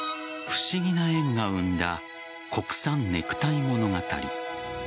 不思議な縁が生んだ国産ネクタイ物語。